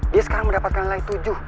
dia sekarang mendapatkan nilai tujuh